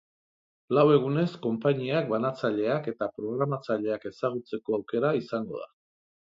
Lau egunez, konpainiak, banatzaileak eta programatzaileak ezagutzeko aukera izango da.